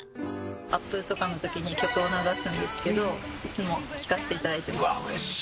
アップとかの時に曲を流すんですけどいつも聴かせていただいています。